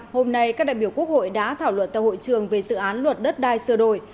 hôm nay các đại biểu quốc hội đã thảo luận tại hội trường về dự án luật đất đai sửa đổi